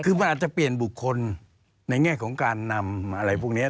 คือมันอาจจะเปลี่ยนบุคคลในแง่ของการนำอะไรพวกนี้